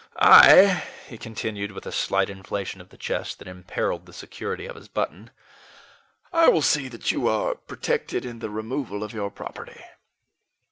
I," he continued, with a slight inflation of the chest that imperiled the security of his button, "I will see that you are protected in the removal of your property."